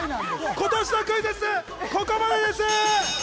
今年のクイズッスここまでです！